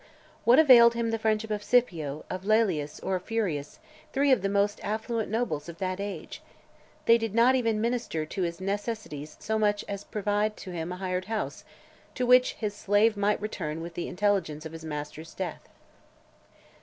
What availed him the friendship of Scipio, of Laelius, or of Furius, three of the most affluent nobles of that age? They did not even minister to his necessities so much as to provide him a hired house, to which his slave might return with the intelligence of his master's death."